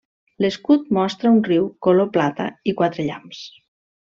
L'escut mostra un riu color plata i quatre llamps.